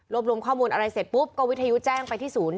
รวมข้อมูลอะไรเสร็จปุ๊บก็วิทยุแจ้งไปที่ศูนย์